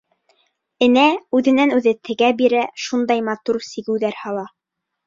Энә үҙенән-үҙе тегә бирә, шундай матур сигеүҙәр һала.